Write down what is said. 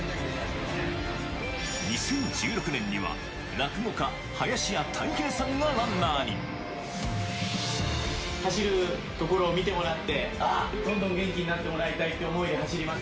２０１６年には、落語家、走るところを見てもらって、どんどん元気になってもらいたいって思いで走ります。